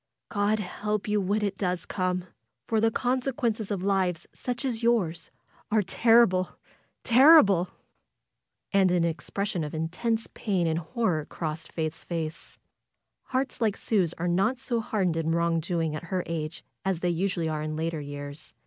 God help you when it does come ! For the consequences of lives such as yours are terrible — terrible!^^ And an expression of intense pain and horror crossed Faith's face. Hearts like Sue's are not so hardened in wrong doing at her age as they usually are in later years.